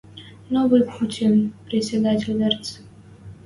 «Новый путьын» председатель верц